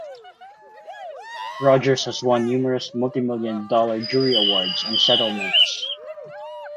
Rogers has won numerous multimillion dollar jury awards and settlements.